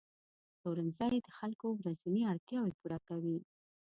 پلورنځي د خلکو ورځني اړتیاوې پوره کوي.